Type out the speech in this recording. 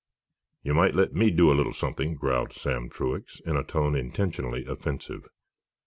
"You might let me do a little something," growled Sam Truax, in a tone intentionally offensive.